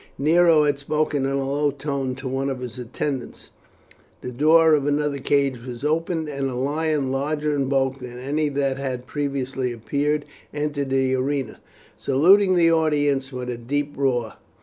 Nero had spoken in a low tone to one of his attendants. The door of another cage was opened, and a lion, larger in bulk than any that had previously appeared, entered the arena, saluting the audience with a deep roar.